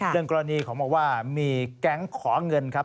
กรณีของบอกว่ามีแก๊งขอเงินครับ